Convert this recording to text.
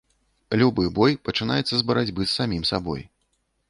Любы бой пачынаецца з барацьбы з самім сабой.